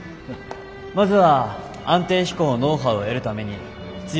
まずは安定飛行のノウハウを得るために必要